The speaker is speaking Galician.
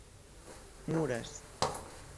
Muras.